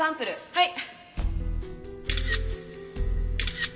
はい！